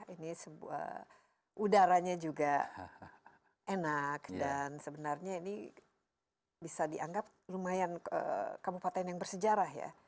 ini sebuah udaranya juga enak dan sebenarnya ini bisa dianggap lumayan kabupaten yang bersejarah ya